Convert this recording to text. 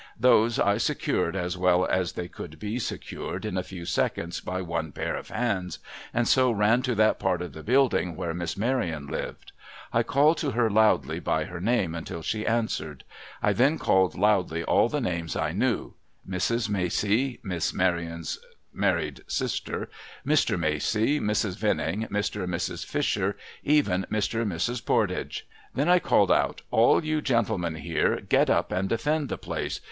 Those, I secured as well as they could be secured in a few seconds by one pair of hands, and so ran to that part of the building where Miss Maryon lived. I called to her loudly by her name until she answered. I then called loudly all the names I knew — Mrs. Macey (Miss Maryon's married sister), Mr. Alacey, Mrs. Venning, Mr. and Mrs. Fisher, even Mr. and Mrs. Pordage. Then I called out, ' All you gentlemen CAUGHT IN A TRAP i6i here, get up and defend the place